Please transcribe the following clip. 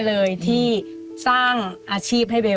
ลูกขาดแม่